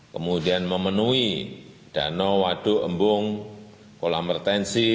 kemudian memenuhi danau waduk embung kolam retensi